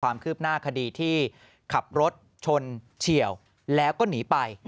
ความคืบหน้าคดีที่ขับรถชนเฉียวแล้วก็หนีไป